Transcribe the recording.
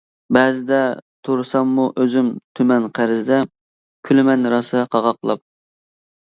بەزىدە تۇرساممۇ ئۆزۈم تۈمەن قەرزدە، كۈلىمەن راسا قاقاقلاپ.